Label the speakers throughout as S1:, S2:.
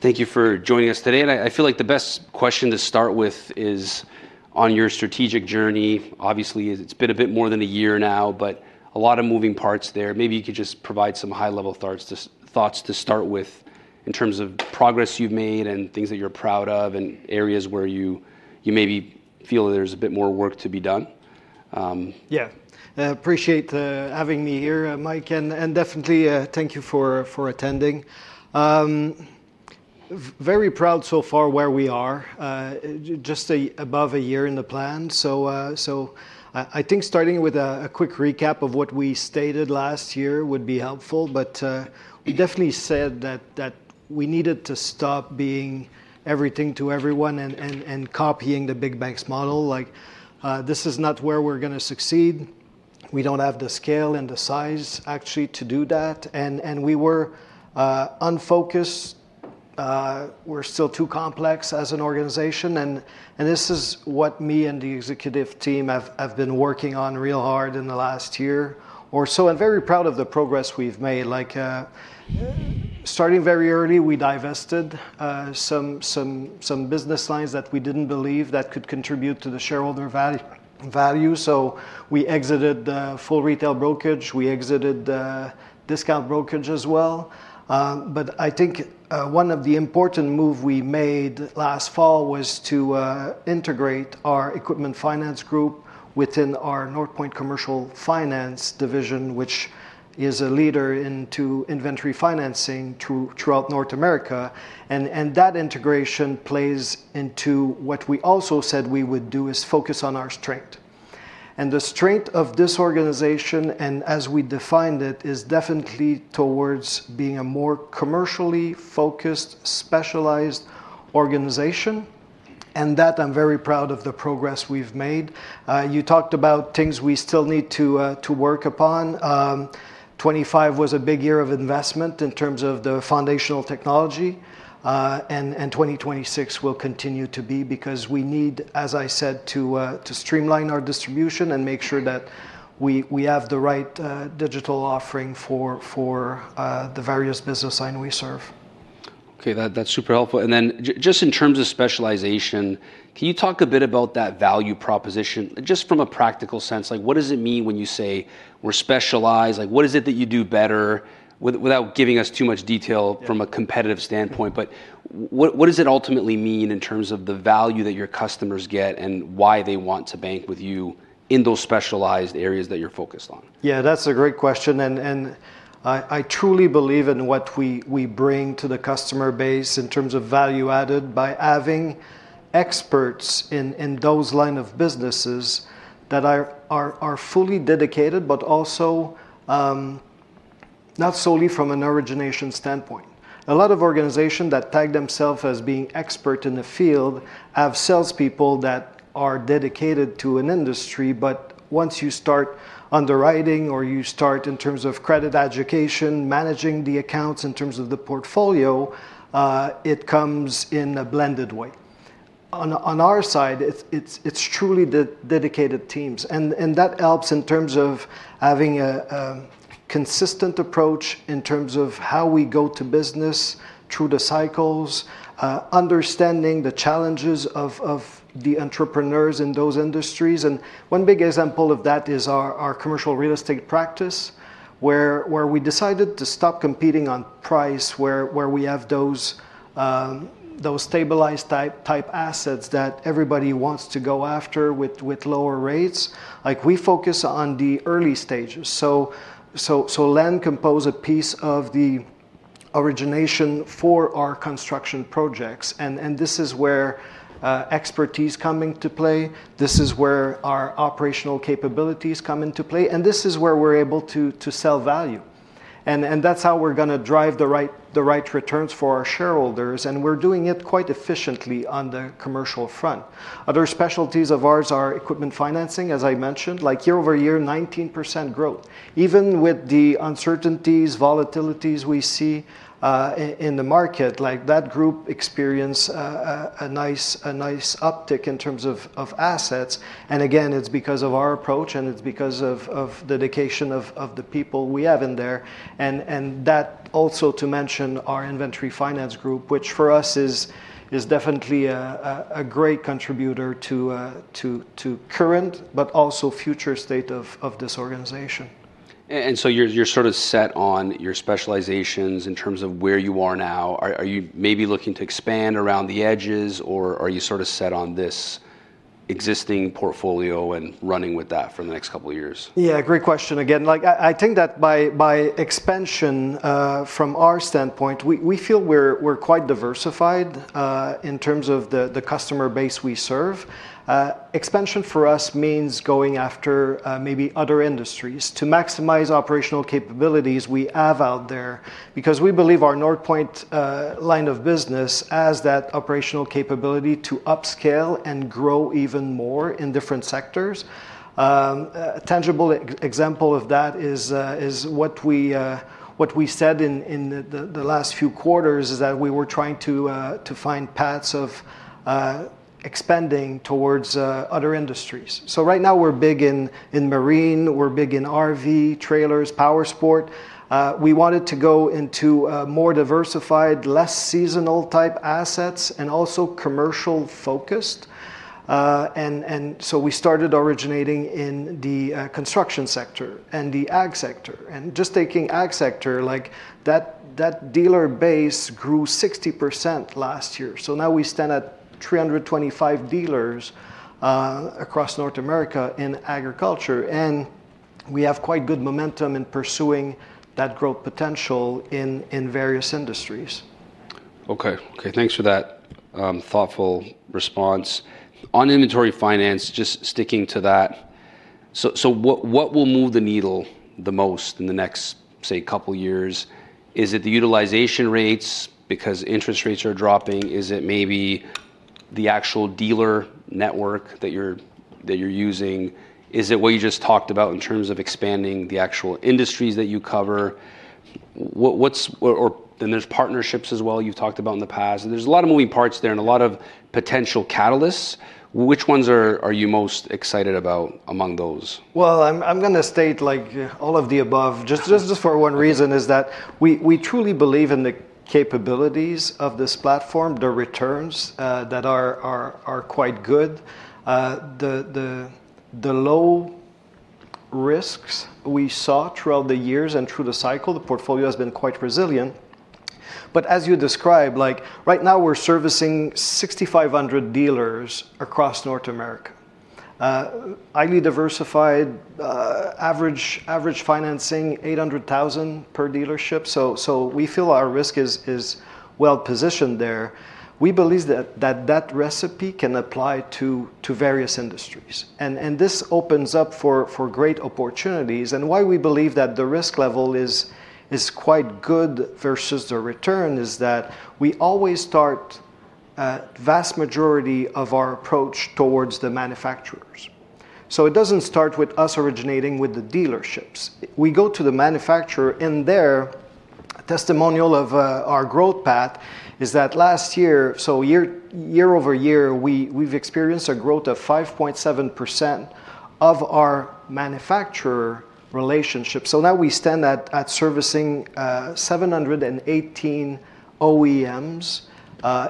S1: Thank you for joining us today, and I feel like the best question to start with is on your strategic journey. Obviously, it's been a bit more than a year now, but a lot of moving parts there. Maybe you could just provide some high-level thoughts to start with in terms of progress you've made and things that you're proud of and areas where you maybe feel there's a bit more work to be done.
S2: Yeah. I appreciate having me here, Mike, and definitely thank you for attending. Very proud so far where we are, just above a year in the plan. So I think starting with a quick recap of what we stated last year would be helpful. But we definitely said that we needed to stop being everything to everyone and copying the big banks model. This is not where we're going to succeed. We don't have the scale and the size, actually, to do that, and we were unfocused. We're still too complex as an organization, and this is what me and the executive team have been working on real hard in the last year or so. I'm very proud of the progress we've made. Starting very early, we divested some business lines that we didn't believe that could contribute to the shareholder value. So we exited the full retail brokerage. We exited the discount brokerage as well. But I think one of the important moves we made last fall was to integrate our equipment finance group within our Northpoint Commercial Finance division, which is a leader in inventory financing throughout North America, and that integration plays into what we also said we would do is focus on our strength, and the strength of this organization, and as we defined it, is definitely towards being a more commercially focused, specialized organization, and that I'm very proud of the progress we've made. You talked about things we still need to work upon. 2025 was a big year of investment in terms of the foundational technology, and 2026 will continue to be because we need, as I said, to streamline our distribution and make sure that we have the right digital offering for the various business lines we serve.
S1: Okay. That's super helpful. And then just in terms of specialization, can you talk a bit about that value proposition, just from a practical sense? What does it mean when you say we're specialized? What is it that you do better without giving us too much detail from a competitive standpoint? But what does it ultimately mean in terms of the value that your customers get and why they want to bank with you in those specialized areas that you're focused on?
S2: Yeah, that's a great question, and I truly believe in what we bring to the customer base in terms of value added by having experts in those lines of businesses that are fully dedicated, but also not solely from an origination standpoint. A lot of organizations that tag themselves as being experts in the field have salespeople that are dedicated to an industry, but once you start underwriting or you start in terms of credit adjudication, managing the accounts in terms of the portfolio, it comes in a blended way. On our side, it's truly dedicated teams, and that helps in terms of having a consistent approach in terms of how we go to business through the cycles, understanding the challenges of the entrepreneurs in those industries. And one big example of that is our commercial real estate practice, where we decided to stop competing on price, where we have those stabilized type assets that everybody wants to go after with lower rates. We focus on the early stages. So land acquisition is a piece of the origination for our construction projects. And this is where expertise comes into play. This is where our operational capabilities come into play. And this is where we're able to sell value. And that's how we're going to drive the right returns for our shareholders. And we're doing it quite efficiently on the commercial front. Other specialties of ours are equipment financing, as I mentioned, year over year, 19% growth. Even with the uncertainties, volatilities we see in the market, that group experienced a nice uptick in terms of assets. And again, it's because of our approach, and it's because of the dedication of the people we have in there. And that also to mention our inventory finance group, which for us is definitely a great contributor to current, but also future state of this organization.
S1: And so you're sort of set on your specializations in terms of where you are now. Are you maybe looking to expand around the edges, or are you sort of set on this existing portfolio and running with that for the next couple of years?
S2: Yeah, great question again. I think that by expansion, from our standpoint, we feel we're quite diversified in terms of the customer base we serve. Expansion for us means going after maybe other industries to maximize operational capabilities we have out there. Because we believe our Northpoint line of business has that operational capability to upscale and grow even more in different sectors. A tangible example of that is what we said in the last few quarters is that we were trying to find paths of expanding towards other industries. So right now, we're big in marine. We're big in RV, trailers, powersports. We wanted to go into more diversified, less seasonal type assets, and also commercial-focused. And so we started originating in the construction sector and the ag sector. And just taking ag sector, that dealer base grew 60% last year. So now we stand at 325 dealers across North America in agriculture. And we have quite good momentum in pursuing that growth potential in various industries.
S1: Okay. Okay. Thanks for that thoughtful response. On inventory finance, just sticking to that, so what will move the needle the most in the next, say, couple of years? Is it the utilization rates because interest rates are dropping? Is it maybe the actual dealer network that you're using? Is it what you just talked about in terms of expanding the actual industries that you cover? And there's partnerships as well you've talked about in the past. There's a lot of moving parts there and a lot of potential catalysts. Which ones are you most excited about among those?
S2: I'm going to state all of the above just for one reason, is that we truly believe in the capabilities of this platform, the returns that are quite good, the low risks we saw throughout the years and through the cycle. The portfolio has been quite resilient. But as you describe, right now, we're servicing 6,500 dealers across North America. Highly diversified, average financing 800,000 per dealership. So we feel our risk is well positioned there. We believe that that recipe can apply to various industries. And this opens up for great opportunities. And why we believe that the risk level is quite good versus the return is that we always start a vast majority of our approach towards the manufacturers. So it doesn't start with us originating with the dealerships. We go to the manufacturer. And their testimonial of our growth path is that last year, so year over year, we've experienced a growth of 5.7% of our manufacturer relationship. So now we stand at servicing 718 OEMs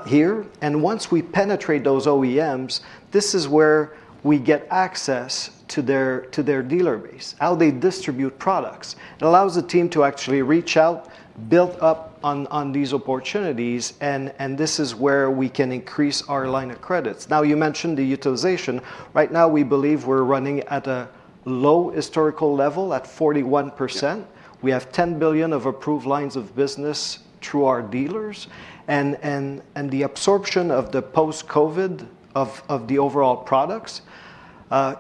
S2: here. And once we penetrate those OEMs, this is where we get access to their dealer base, how they distribute products. It allows the team to actually reach out, build up on these opportunities. And this is where we can increase our line of credits. Now, you mentioned the utilization. Right now, we believe we're running at a low historical level at 41%. We have 10 billion of approved lines of business through our dealers. And the absorption of the post-COVID of the overall products,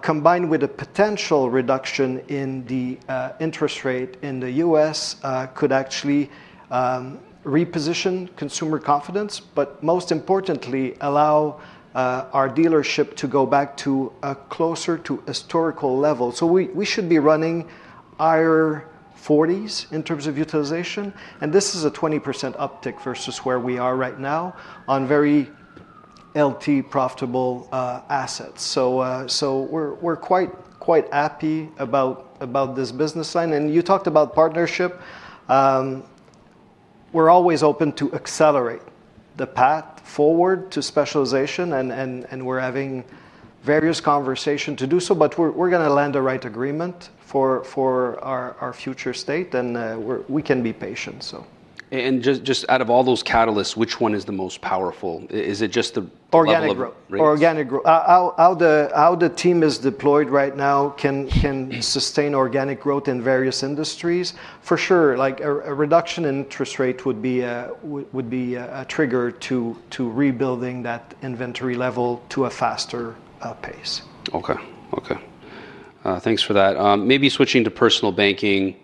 S2: combined with a potential reduction in the interest rate in the U.S., could actually reposition consumer confidence, but most importantly, allow our dealership to go back closer to historical levels. We should be running higher 40s in terms of utilization. This is a 20% uptick versus where we are right now on very LT-profitable assets. We're quite happy about this business line. You talked about partnership. We're always open to accelerate the path forward to specialization. We're having various conversations to do so. We're going to land a right agreement for our future state. We can be patient.
S1: And just out of all those catalysts, which one is the most powerful? Is it just the.
S2: Organic growth. How the team is deployed right now can sustain organic growth in various industries, for sure. A reduction in interest rates would be a trigger to rebuilding that inventory level to a faster pace.
S1: Okay. Thanks for that. Maybe switching to personal banking.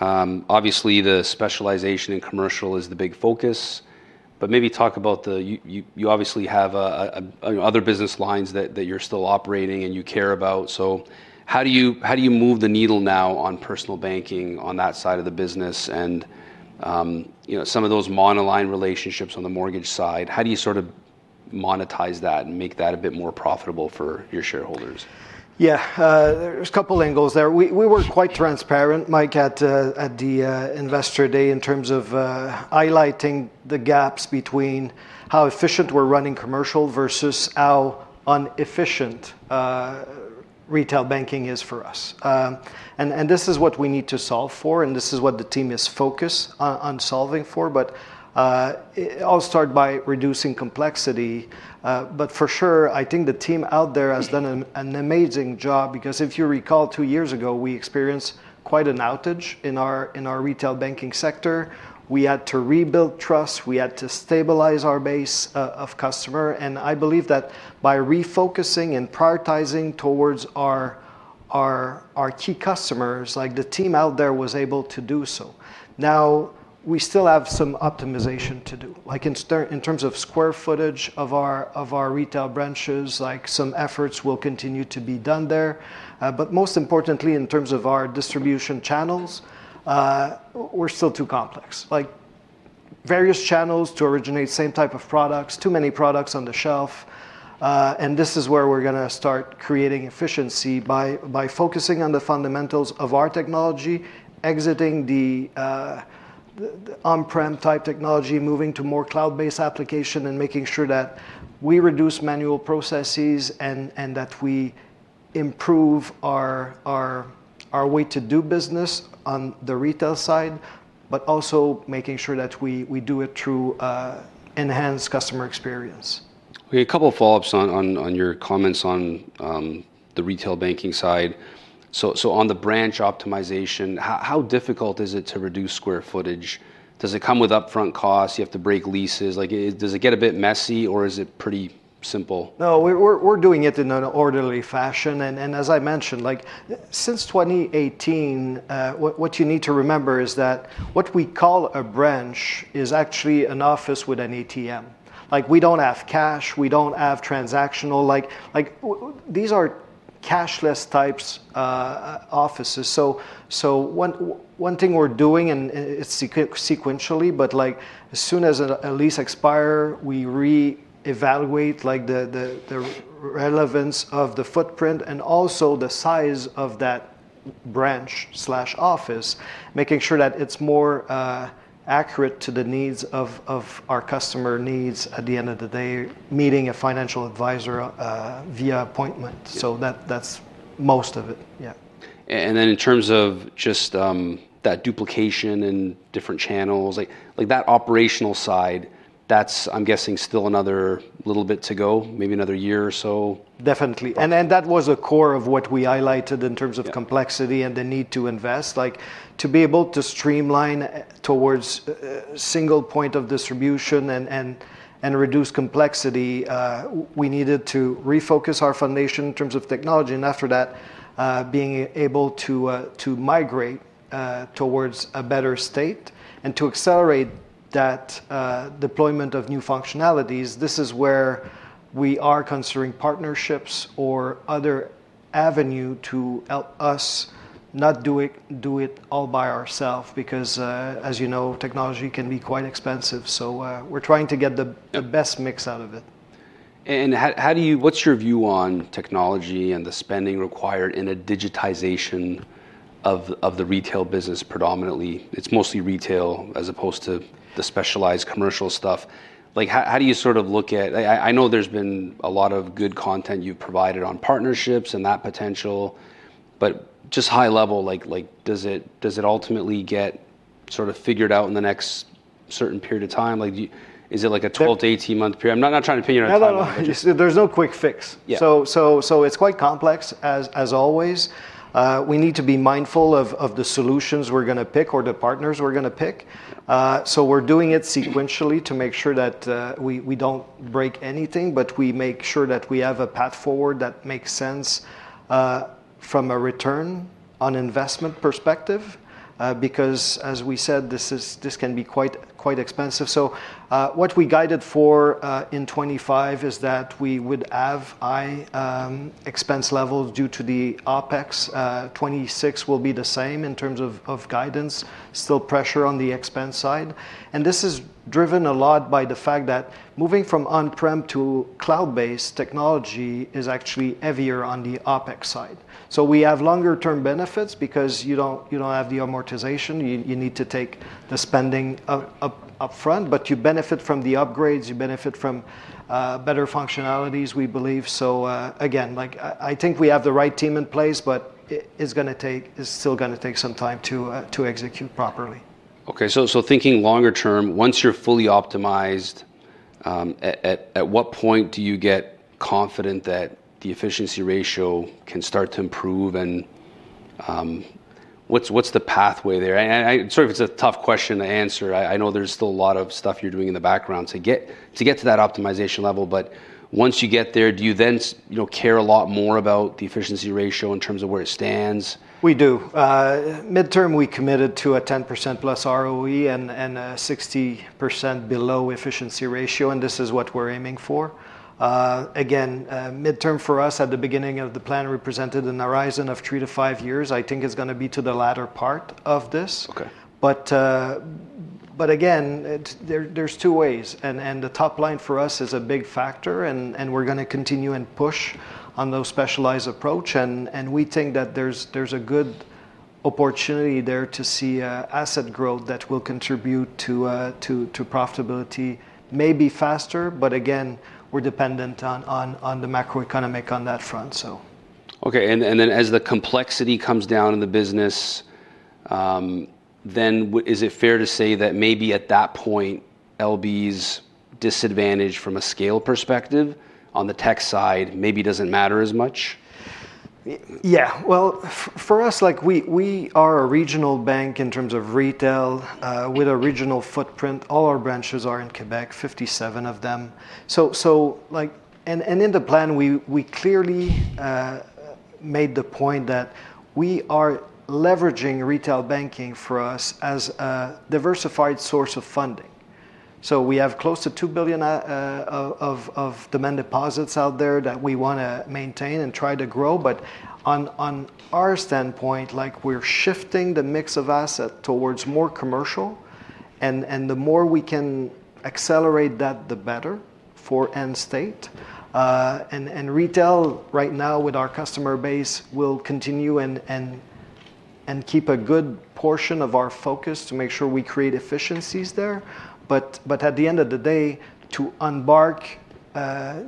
S1: Obviously, the specialization in commercial is the big focus. But maybe talk about you obviously have other business lines that you're still operating and you care about. So how do you move the needle now on personal banking on that side of the business and some of those monoline relationships on the mortgage side? How do you sort of monetize that and make that a bit more profitable for your shareholders?
S2: Yeah. There's a couple of angles there. We were quite transparent, Mike, at the investor day in terms of highlighting the gaps between how efficient we're running commercial versus how inefficient retail banking is for us. And this is what we need to solve for. And this is what the team is focused on solving for. But I'll start by reducing complexity. But for sure, I think the team out there has done an amazing job. Because if you recall, two years ago, we experienced quite an outage in our retail banking sector. We had to rebuild trust. We had to stabilize our base of customers. And I believe that by refocusing and prioritizing towards our key customers, the team out there was able to do so. Now, we still have some optimization to do. In terms of square footage of our retail branches, some efforts will continue to be done there. But most importantly, in terms of our distribution channels, we're still too complex. Various channels to originate the same type of products, too many products on the shelf. And this is where we're going to start creating efficiency by focusing on the fundamentals of our technology, exiting the on-prem type technology, moving to more cloud-based application, and making sure that we reduce manual processes and that we improve our way to do business on the retail side, but also making sure that we do it through enhanced customer experience.
S1: Okay. A couple of follow-ups on your comments on the retail banking side. So on the branch optimization, how difficult is it to reduce square footage? Does it come with upfront costs? You have to break leases. Does it get a bit messy, or is it pretty simple?
S2: No, we're doing it in an orderly fashion. And as I mentioned, since 2018, what you need to remember is that what we call a branch is actually an office with an ATM. We don't have cash. We don't have transactional. These are cashless types of offices. So one thing we're doing, and it's sequentially, but as soon as the lease expires, we reevaluate the relevance of the footprint and also the size of that branch/office, making sure that it's more accurate to the needs of our customer needs at the end of the day, meeting a financial advisor via appointment. So that's most of it. Yeah.
S1: And then in terms of just that duplication and different channels, that operational side, that's, I'm guessing, still another little bit to go, maybe another year or so.
S2: Definitely, and that was a core of what we highlighted in terms of complexity and the need to invest. To be able to streamline towards a single point of distribution and reduce complexity, we needed to refocus our foundation in terms of technology, and after that, being able to migrate towards a better state and to accelerate that deployment of new functionalities, this is where we are considering partnerships or other avenues to help us not do it all by ourselves. Because as you know, technology can be quite expensive, so we're trying to get the best mix out of it.
S1: What's your view on technology and the spending required in a digitization of the retail business predominantly? It's mostly retail as opposed to the specialized commercial stuff. How do you sort of look at? I know there's been a lot of good content you've provided on partnerships and that potential. But just high level, does it ultimately get sort of figured out in the next certain period of time? Is it like a 12- to 18-month period? I'm not trying to pin you on a timeline.
S2: No, no. There's no quick fix. So it's quite complex, as always. We need to be mindful of the solutions we're going to pick or the partners we're going to pick. So we're doing it sequentially to make sure that we don't break anything. But we make sure that we have a path forward that makes sense from a return on investment perspective. Because as we said, this can be quite expensive. So what we guided for in 2025 is that we would have high expense levels due to the OPEX. 2026 will be the same in terms of guidance, still pressure on the expense side. And this is driven a lot by the fact that moving from on-prem to cloud-based technology is actually heavier on the OPEX side. So we have longer-term benefits because you don't have the amortization. You need to take the spending upfront. But you benefit from the upgrades. You benefit from better functionalities, we believe. So again, I think we have the right team in place. But it's still going to take some time to execute properly.
S1: Okay. So thinking longer term, once you're fully optimized, at what point do you get confident that the efficiency ratio can start to improve? And what's the pathway there? And sorry if it's a tough question to answer. I know there's still a lot of stuff you're doing in the background to get to that optimization level. But once you get there, do you then care a lot more about the efficiency ratio in terms of where it stands?
S2: We do. Midterm, we committed to a 10% plus ROE and a 60% below efficiency ratio. And this is what we're aiming for. Again, midterm for us, at the beginning of the plan, we presented a horizon of three to five years. I think it's going to be to the latter part of this. But again, there's two ways. And the top line for us is a big factor. And we're going to continue and push on those specialized approach. And we think that there's a good opportunity there to see asset growth that will contribute to profitability, maybe faster. But again, we're dependent on the macroeconomic on that front, so.
S1: Okay, and then as the complexity comes down in the business, then is it fair to say that maybe at that point, LB's disadvantage from a scale perspective on the tech side maybe doesn't matter as much?
S2: Yeah. Well, for us, we are a regional bank in terms of retail with a regional footprint. All our branches are in Quebec, 57 of them. And in the plan, we clearly made the point that we are leveraging retail banking for us as a diversified source of funding. So we have close to 2 billion of demand deposits out there that we want to maintain and try to grow. But on our standpoint, we're shifting the mix of asset towards more commercial. And the more we can accelerate that, the better for end state. And retail right now with our customer base will continue and keep a good portion of our focus to make sure we create efficiencies there. But at the end of the day, to embark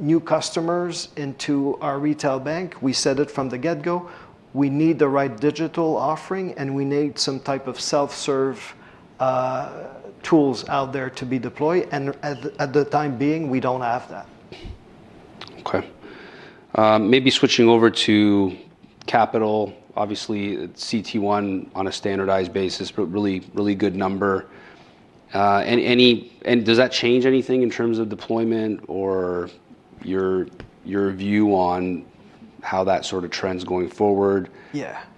S2: new customers into our retail bank, we set it from the get-go. We need the right digital offering. And we need some type of self-serve tools out there to be deployed. And for the time being, we don't have that.
S1: Okay. Maybe switching over to capital. Obviously, CET1 on a standardized basis, but really good number. Does that change anything in terms of deployment or your view on how that sort of trends going forward?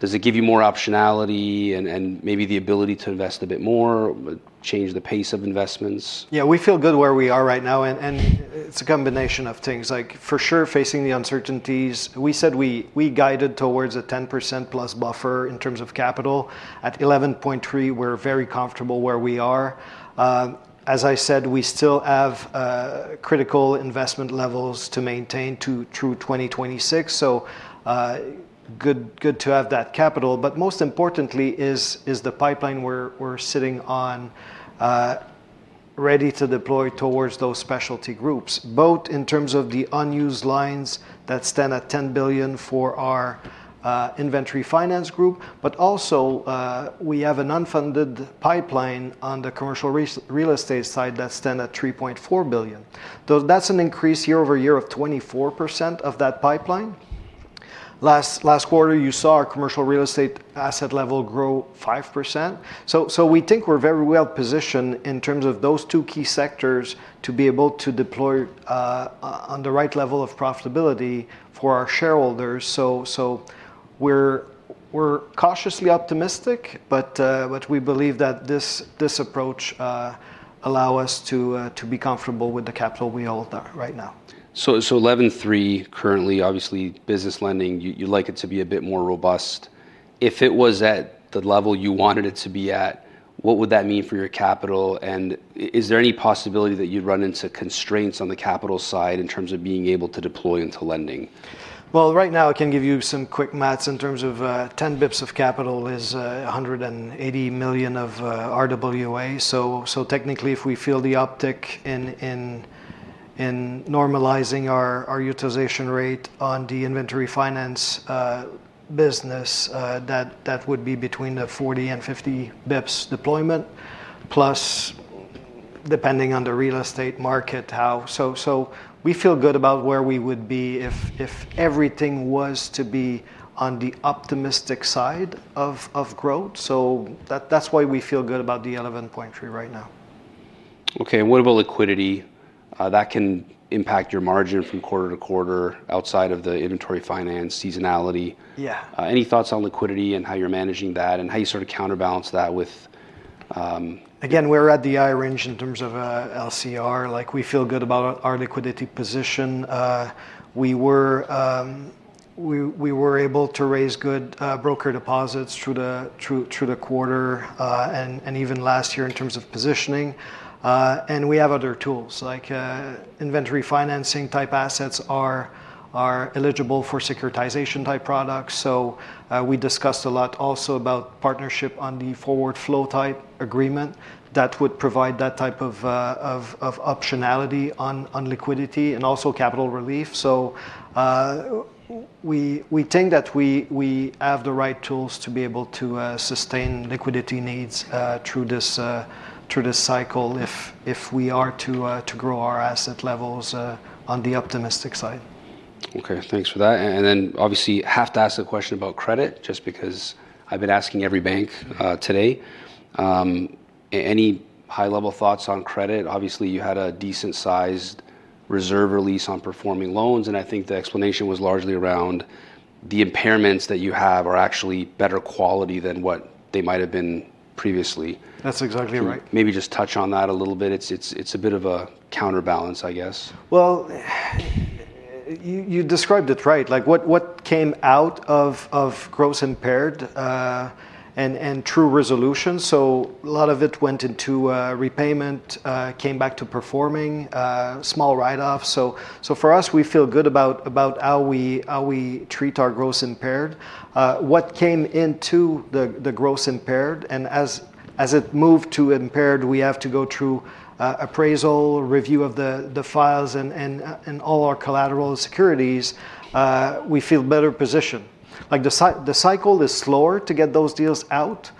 S1: Does it give you more optionality and maybe the ability to invest a bit more, change the pace of investments?
S2: Yeah. We feel good where we are right now, and it's a combination of things. For sure, facing the uncertainties, we said we guided towards a 10% plus buffer in terms of capital. At 11.3, we're very comfortable where we are. As I said, we still have critical investment levels to maintain through 2026, so good to have that capital, but most importantly is the pipeline we're sitting on ready to deploy towards those specialty groups, both in terms of the unused lines that stand at 10 billion for our inventory finance group, but also, we have an unfunded pipeline on the commercial real estate side that stands at 3.4 billion, so that's an increase year over year of 24% of that pipeline. Last quarter, you saw our commercial real estate asset level grow 5%. So we think we're very well positioned in terms of those two key sectors to be able to deploy on the right level of profitability for our shareholders. So we're cautiously optimistic. But we believe that this approach allows us to be comfortable with the capital we hold right now.
S1: 11.3 currently, obviously, business lending, you'd like it to be a bit more robust. If it was at the level you wanted it to be at, what would that mean for your capital? And is there any possibility that you'd run into constraints on the capital side in terms of being able to deploy into lending?
S2: Right now, I can give you some quick math. In terms of 10 basis points of capital, it's 180 million of RWA. Technically, if we feel the impact in normalizing our utilization rate on the inventory finance business, that would be between 40 and 50 basis points deployment, plus depending on the real estate market. We feel good about where we would be if everything was to be on the optimistic side of growth. That's why we feel good about the 11.3 right now.
S1: Okay. And what about liquidity? That can impact your margin from quarter to quarter outside of the inventory finance seasonality. Any thoughts on liquidity and how you're managing that and how you sort of counterbalance that with?
S2: Again, we're at the high range in terms of LCR. We feel good about our liquidity position. We were able to raise good broker deposits through the quarter and even last year in terms of positioning, and we have other tools. Inventory financing type assets are eligible for securitization type products, so we discussed a lot also about partnership on the forward flow type agreement that would provide that type of optionality on liquidity and also capital relief, so we think that we have the right tools to be able to sustain liquidity needs through this cycle if we are to grow our asset levels on the optimistic side.
S1: Okay. Thanks for that, and then obviously have to ask a question about credit just because I've been asking every bank today. Any high-level thoughts on credit? Obviously, you had a decent-sized reserve release on performing loans, and I think the explanation was largely around the impairments that you have are actually better quality than what they might have been previously.
S2: That's exactly right.
S1: Maybe just touch on that a little bit. It's a bit of a counterbalance, I guess.
S2: You described it right. What came out of gross impaired and true resolution? A lot of it went into repayment, came back to performing, small write-offs. For us, we feel good about how we treat our gross impaired. What came into the gross impaired? As it moved to impaired, we have to go through appraisal, review of the files, and all our collateral securities. We feel better positioned. The cycle is slower to get those deals out.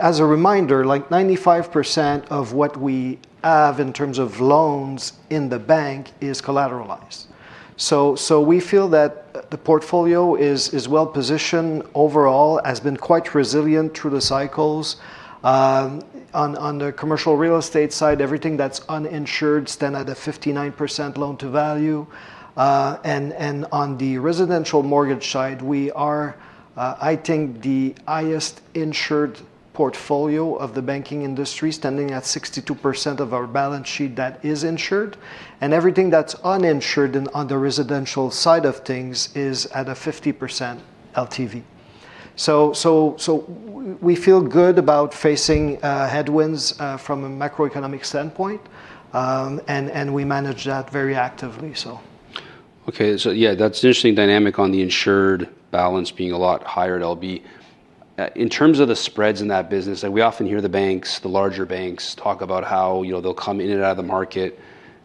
S2: As a reminder, 95% of what we have in terms of loans in the bank is collateralized. We feel that the portfolio is well positioned overall, has been quite resilient through the cycles. On the Commercial Real Estate side, everything that's uninsured stands at a 59% loan-to-value. And on the residential mortgage side, we are, I think, the highest insured portfolio of the banking industry, standing at 62% of our balance sheet that is insured. And everything that's uninsured on the residential side of things is at a 50% LTV. So we feel good about facing headwinds from a macroeconomic standpoint. And we manage that very actively, so.
S1: Okay. So yeah, that's an interesting dynamic on the insured balance being a lot higher at LB. In terms of the spreads in that business, we often hear the banks, the larger banks, talk about how they'll come in and out of the market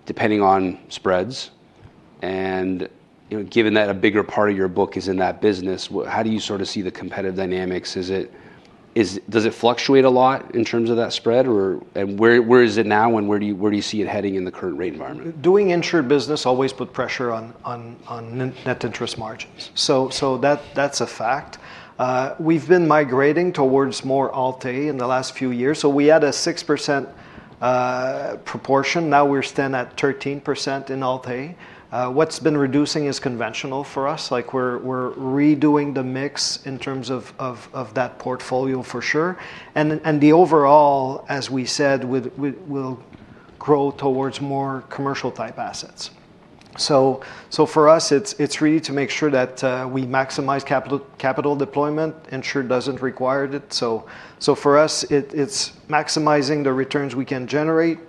S1: depending on spreads. And given that a bigger part of your book is in that business, how do you sort of see the competitive dynamics? Does it fluctuate a lot in terms of that spread? And where is it now? And where do you see it heading in the current rate environment?
S2: Doing insured business always puts pressure on net interest margins. So that's a fact. We've been migrating towards more Alt-A in the last few years. So we had a 6% proportion. Now we're standing at 13% in Alt-A. What's been reducing is conventional for us. We're redoing the mix in terms of that portfolio for sure. And the overall, as we said, will grow towards more commercial type assets. So for us, it's really to make sure that we maximize capital deployment. Insured doesn't require it. So for us, it's maximizing the returns we can generate.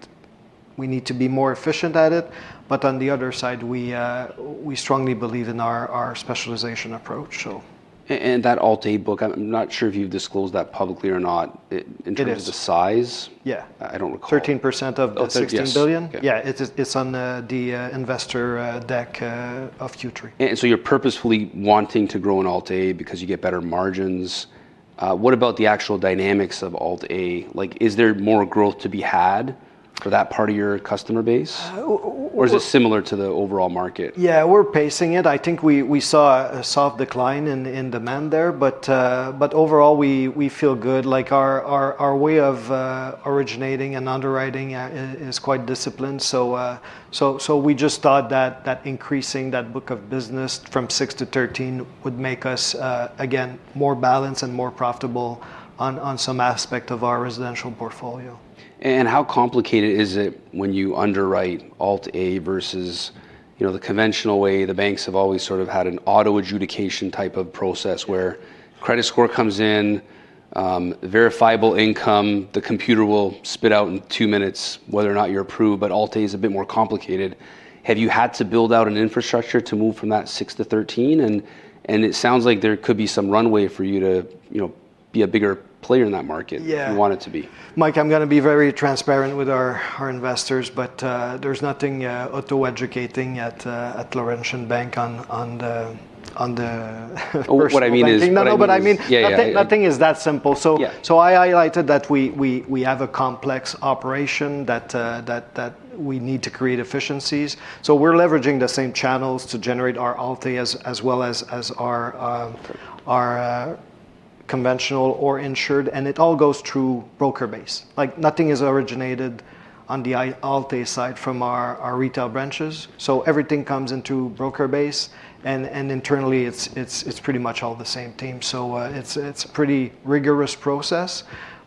S2: We need to be more efficient at it. But on the other side, we strongly believe in our specialization approach, so.
S1: That Alt-A book, I'm not sure if you've disclosed that publicly or not in terms of the size. I don't recall.
S2: Yeah. 13% of the 16 billion. Yeah. It's on the investor deck of Q3.
S1: You're purposefully wanting to grow in Alt-A because you get better margins. What about the actual dynamics of Alt-A? Is there more growth to be had for that part of your customer base? Or is it similar to the overall market?
S2: Yeah. We're pacing it. I think we saw a soft decline in demand there. But overall, we feel good. Our way of originating and underwriting is quite disciplined. So we just thought that increasing that book of business from six to 13 would make us, again, more balanced and more profitable on some aspect of our residential portfolio.
S1: And how complicated is it when you underwrite Alt-A versus the conventional way? The banks have always sort of had an auto-adjudication type of process where credit score comes in, verifiable income. The computer will spit out in two minutes whether or not you're approved. But Alt-A is a bit more complicated. Have you had to build out an infrastructure to move from that 6 to 13? And it sounds like there could be some runway for you to be a bigger player in that market than you want it to be.
S2: Yeah. Mike, I'm going to be very transparent with our investors. But there's nothing auto-adjudication at Laurentian Bank on the.
S1: What I mean is no.
S2: No, no, but I mean, nothing is that simple. So I highlighted that we have a complex operation that we need to create efficiencies. so we're leveraging the same channels to generate our Alt-A as well as our conventional or insured. And it all goes through broker base. Nothing is originated on the Alt-A side from our retail branches. So everything comes into broker base. And internally, it's pretty much all the same team. so it's a pretty rigorous process.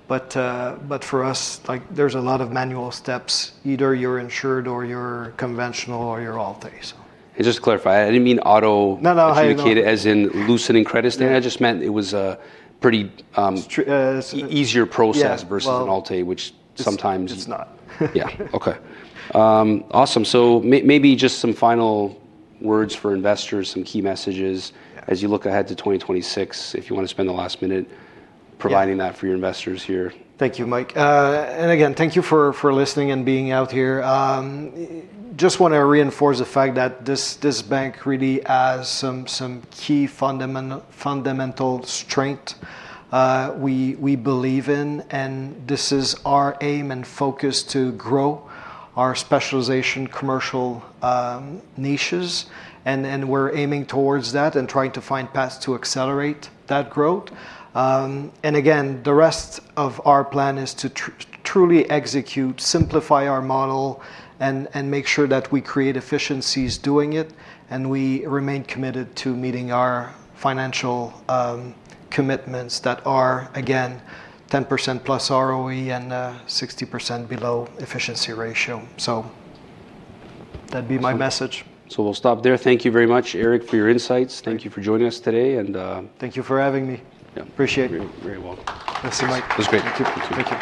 S2: But for us, there's a lot of manual steps. Either you're insured or you're conventional or you're Alt-A, so.
S1: And just to clarify, I didn't mean auto-adjudication as in loosening credit standard. I just meant it was a pretty easier process versus an Alt-A, which sometimes.
S2: It's not.
S1: Yeah. Okay. Awesome. So maybe just some final words for investors, some key messages as you look ahead to 2026 if you want to spend the last minute providing that for your investors here.
S2: Thank you, Mike. And again, thank you for listening and being out here. Just want to reinforce the fact that this bank really has some key fundamental strength we believe in. And this is our aim and focus to grow our specialization commercial niches. And we're aiming towards that and trying to find paths to accelerate that growth. And again, the rest of our plan is to truly execute, simplify our model, and make sure that we create efficiencies doing it. And we remain committed to meeting our financial commitments that are, again, 10% plus ROE and 60% below efficiency ratio. So that'd be my message.
S1: So we'll stop there. Thank you very much, Eric, for your insights. Thank you for joining us today.
S2: Thank you for having me. Appreciate it.
S1: You're very welcome.
S2: Thanks so much.
S1: It was great.
S2: Thank you.